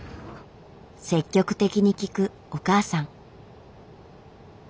積極的に聞くお母さん。